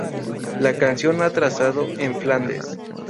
La canción ha trazado en Flandes.